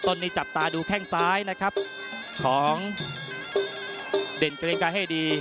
ต้นนี้จับตาดูแข้งซ้ายนะครับของเด่นเกรงกายให้ดี